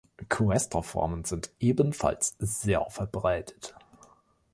Cuesta-Formen sind ebenfalls sehr verbreitet.